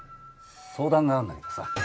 相談があんだけどさ。